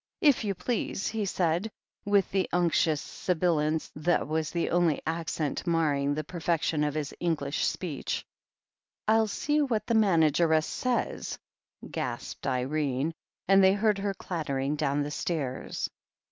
"If you please," he said, with the unctuous sibilance that was the only accent marring the perfection of his English speech. "I'll see what the manageress says," gasped Irene, and they heard her clattering down the stairs.